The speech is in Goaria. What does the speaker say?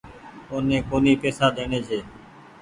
اوني ڪونيٚ پئيسا ڏيڻي ڇي۔